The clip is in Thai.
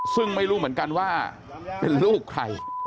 ซึ่งไม่รู้เหมือนกันว่าเป็นลูกใคร